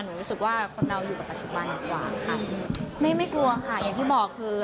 รู้สึกว่าคนเราอยู่กับปัจจุบันดีกว่าค่ะไม่ไม่กลัวค่ะอย่างที่บอกคือ